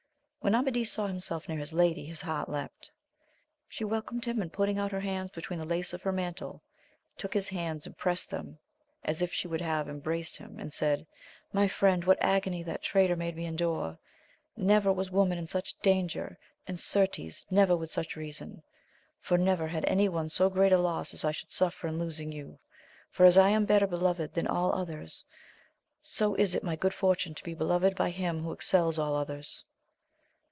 When Amadis saw himself near his lady his heart leaped. She welcomed him, and putting out her hands between the lace of her mantle, took his hands and pressed them as if she would have embraced him, and said, My friend, what agony that traitor made me endure ! Never was woman in such danger, and certes never with such reason ; for never had any one so great a loss as I should suffer in losing you ; for as I am better beloved than all others, so is it my good fortune to be beloved by him who excels all others.